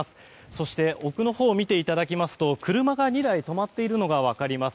そして、奥のほうを見ていただきますと車が２台止まっているのが分かります。